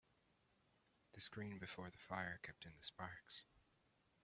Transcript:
The screen before the fire kept in the sparks.